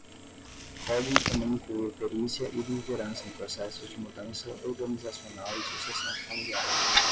Pode também incluir perícia e liderança em processos de mudança organizacional e sucessão familiar.